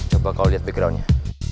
coba kau liat background nya